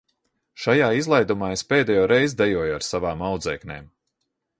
Šajā izlaidumā es pēdējo reizi dejoju ar savām audzēknēm.